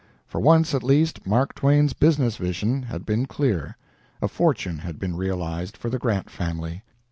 For once, at least, Mark Twain's business vision had been clear. A fortune had been realized for the Grant family.